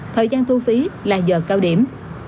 thời gian thu phí là giờ cao điểm